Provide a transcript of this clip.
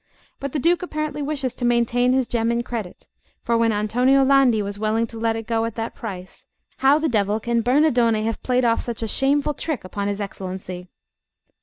But the Duke apparently wishes to maintain his gem in credit; for when Antonio Landi was willing to let it go at that price, how the devil can Bernardone have played off such a shameful trick upon his Excellency?